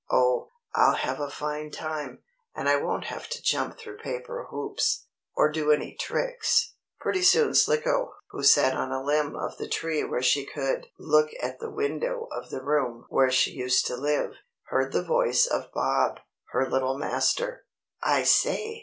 Oh, I'll have a fine time, and I won't have to jump through paper hoops, or do any tricks." Pretty soon Slicko, who sat on a limb of the tree where she could look at the window of the room where she used to live, heard the voice of Bob, her little master. "I say!"